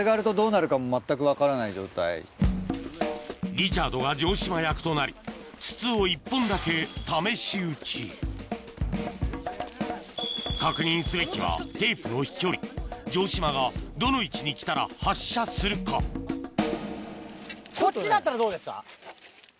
リチャードが城島役となり確認すべきはテープの飛距離城島がどの位置に来たら発射するかこっちだったらどうですか？